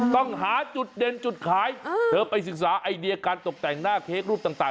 ต้องหาจุดเด่นจุดขายเธอไปศึกษาไอเดียการตกแต่งหน้าเค้กรูปต่าง